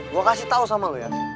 gua kasih tau sama lu ya